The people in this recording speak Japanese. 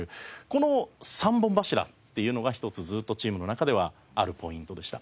この３本柱っていうのが一つずっとチームの中ではあるポイントでした。